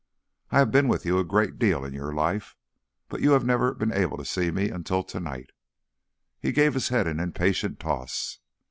I have been with you a great deal in your life, but you never have been able to see me until to night." He gave his head an impatient toss.